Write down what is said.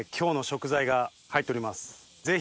ぜひ。